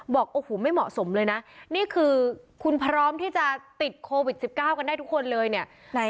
บอกโอ้โหไม่เหมาะสมเลยนะนี่คือคุณพร้อมที่จะติดโควิด๑๙กันได้ทุกคนเลยเนี่ย